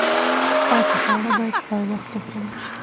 پاتې خواړه باید پر وخت وخوړل شي.